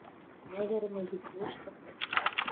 Мӓгӹрӹмӹ юк лошты